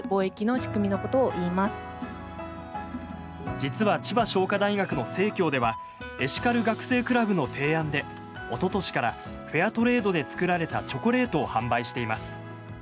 実は千葉商科大学の生協ではエシカル学生クラブの提案でおととしからフェアトレードで作られたチョコレートを販売しています。